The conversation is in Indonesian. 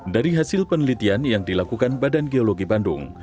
dari hasil penelitian yang dilakukan badan geologi bandung